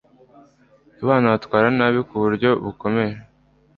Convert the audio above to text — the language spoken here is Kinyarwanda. abana bitwara nabi ku buryo bukomeye